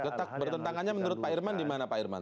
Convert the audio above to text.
letak bertentangannya menurut pak irman di mana pak irman